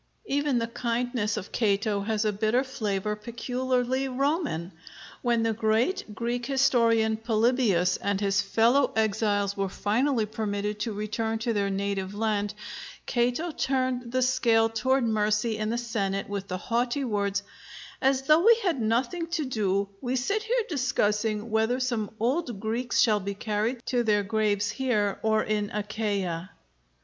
Even the kindness of Cato has a bitter flavor peculiarly Roman. When the great Greek historian Polybius and his fellow exiles were finally permitted to return to their native land, Cato turned the scale toward mercy in the Senate with the haughty words, "As though we had nothing to do, we sit here discussing whether some old Greeks shall be carried to their graves here or in Achaia!"